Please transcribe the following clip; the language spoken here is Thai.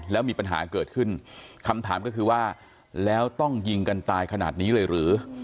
แล้วมีปัญหาเกิดขึ้นคำถามก็คือว่าแล้วต้องยิงกันตายขนาดนี้เลยหรือ